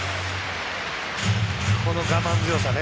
この我慢強さね。